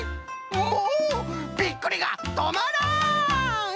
もうびっくりがとまらん！